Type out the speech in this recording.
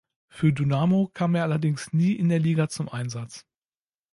Für Dynamo kam er allerdings nie in der Liga zum Einsatz.